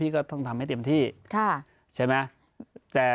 ก็ต้องทำให้เต็มที่ใช่ไหม